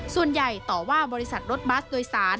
ส่วนใหญ่ต่อว่าบริษัทรถบัสโดยสาร